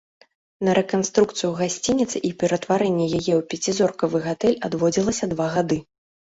На рэканструкцыю гасцініцы і ператварэнне яе ў пяцізоркавы гатэль адводзілася два гады.